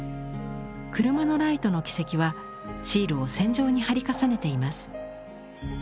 車のライトの軌跡はシールを線状に貼り重ねています。